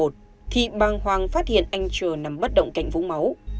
thì bàng hoàng phát hiện anh trờ nằm bất động cạnh vũ máu